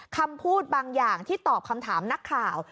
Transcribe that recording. คำพูดบางอย่างที่ตอบคำถามนักข่าว